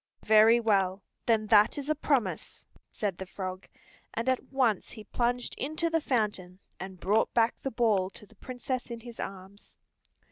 "Very well, then that is a promise," said the frog, and at once he plunged into the fountain and brought back the ball to the Princess in his arms.